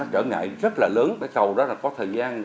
trở ngại rất là lớn cái cầu đó là có thời gian